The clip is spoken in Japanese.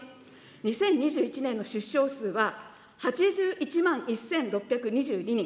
２０２１年の出生数は、８１万１６２２人。